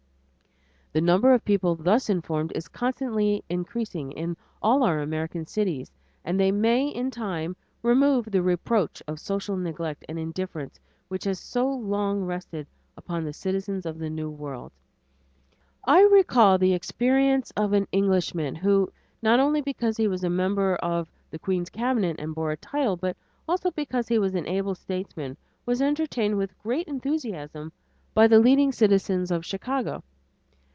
The number of people thus informed is constantly increasing in all our American cities, and they may in time remove the reproach of social neglect and indifference which has so long rested upon the citizens of the new world. I recall the experience of an Englishman who, not only because he was a member of the Queen's Cabinet and bore a title, but also because he was an able statesman, was entertained with great enthusiasm by the leading citizens of Chicago.